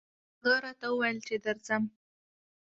هغه راته وويل چې درځم